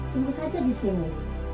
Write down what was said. tunggu saja di sini